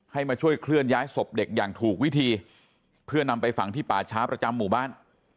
มาช่วยเคลื่อนย้ายศพเด็กอย่างถูกวิธีเพื่อนำไปฝังที่ป่าช้าประจำหมู่บ้าน